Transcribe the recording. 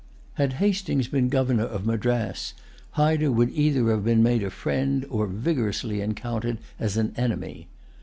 Had Hastings been governor of Madras, Hyder would have been either made a friend, or vigorously encountered as an enemy.